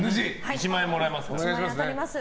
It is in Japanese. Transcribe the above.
１万円もらえます。